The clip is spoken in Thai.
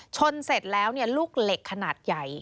ชนเสร็จแล้วลูกเหล็กขนาดใหญ่